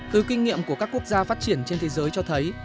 từ kinh nghiệm của các quốc gia phát triển trên thế giới cho thấy